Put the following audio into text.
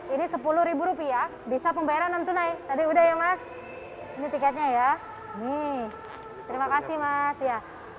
ini sepuluh ribu rupiah bisa pembayaran non tunai tadi udah ya mas ini tiketnya ya hmm terima kasih mas ya